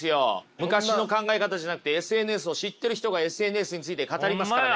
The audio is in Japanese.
昔の考え方じゃなくてＳＮＳを知ってる人がＳＮＳについて語りますからね。